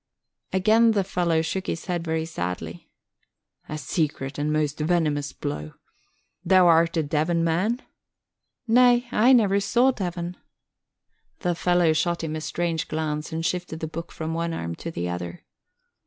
Again the fellow shook his head very sadly. "A secret and most venomous blow! Th' art a Devon man?" "Nay, I never saw Devon." The fellow shot him a strange glance and shifted the book from one arm to the other.